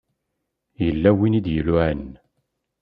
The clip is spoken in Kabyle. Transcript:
Yella win i d-iluɛan.